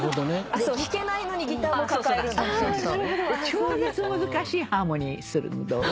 超絶難しいハーモニーにするのどう？